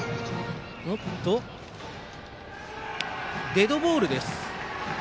デッドボールです。